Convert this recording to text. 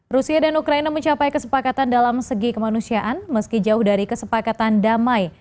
rusia dan ukraina mencapai kesepakatan dalam segi kemanusiaan meski jauh dari kesepakatan damai